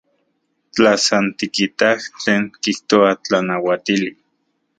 Tla san tikitaj tlen kijtoa tlanauatili.